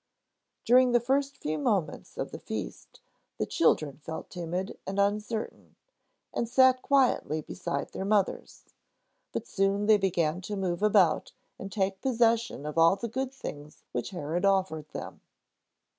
During the first few moments of the feast, the children felt timid and uncertain, and sat quietly beside their mothers. But soon they began to move about and take possession of all the good things which Herod offered them.